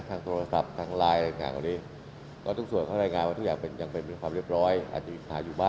ทั้งโทรศัพท์ทั้งไลน์ทั้งทุกหน้า